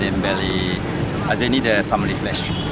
dan mereka butuh beberapa refleksi